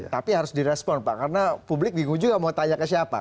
tapi harus direspon pak karena publik bingung juga mau tanya ke siapa